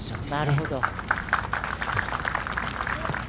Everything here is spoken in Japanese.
なるほど。